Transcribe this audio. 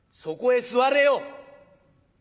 そこへ座れよ！